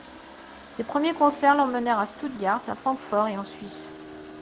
Ses premiers concerts l’emmenèrent à Stuttgart, à Francfort et en Suisse.